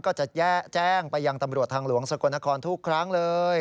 ก็จะแจ้งไปยังตำรวจทางหลวงสกลนครทุกครั้งเลย